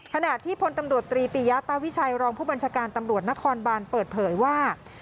ขณะที่พลตำรวจตรีปียะตาวิชัยรองผู้บัญชาการตำรวจนครบานเปิดเผยว่า